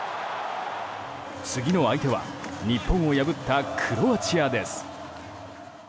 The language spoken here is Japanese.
次の相手は日本を破ったクロアチアです。